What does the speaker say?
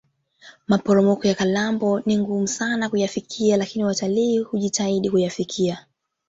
maporomoko ya kalambo ni ngumu sana kuyafikia lakini watalii hujitahidi kuyafikia